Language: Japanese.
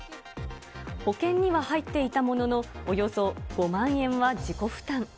保険には入っていたものの、およそ５万円は自己負担。